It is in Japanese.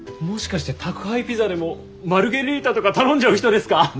もしかして宅配ピザでもマルゲリータとか頼んじゃう人ですか？